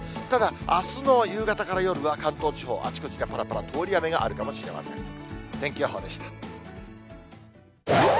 ただ、あすの夕方から夜は、関東地方、あちこちでぱらぱら通り雨があるかもしれません。